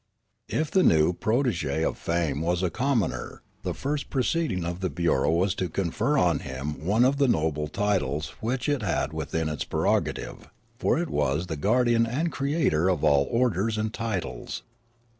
If the new protege of fame was a commoner, the first proceeding of the bureau was to confer on him one of the noble titles which it had within its prerogative ; for it was the guardian and creator of all orders and titles.